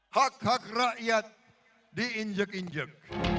hak hak rakyat diinjek injek